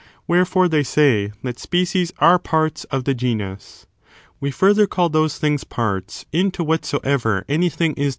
Wherefore, they say that species are parts of the genus. We further call those things parts into whatsoever anything is.